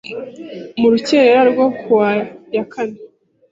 mu rukerera rwo kuwa ya kane